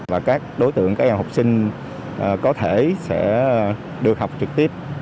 và các đối tượng các em học sinh có thể sẽ được học trực tiếp